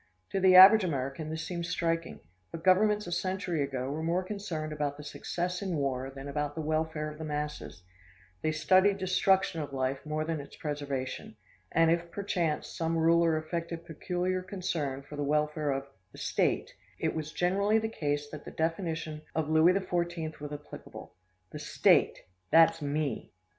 To the average American, this seems striking; but governments a century ago were more concerned about the success in war than about the welfare of the masses; they studied destruction of life more than its preservation: and if perchance, some ruler affected peculiar concern for the welfare of "the State," it was generally the case that the definition of Louis XIV was applicable; "The State that's me!"